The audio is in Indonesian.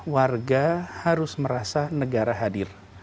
warga harus merasa negara hadir